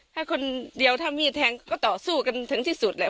ถ้าคนเดียวถ้ามีดแทงก็ต่อสู้กันถึงที่สุดแหละ